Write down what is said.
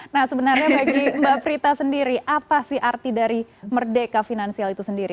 nah sebenarnya bagi mbak prita sendiri apa sih arti dari merdeka finansial itu sendiri